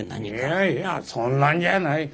いやいやそんなんじゃない。